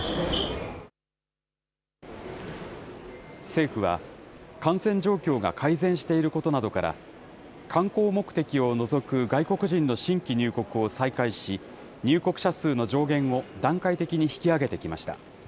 政府は、感染状況が改善していることなどから、観光目的を除く外国人の新規入国を再開し、入国者数の上限を段階的に引き上げてきました。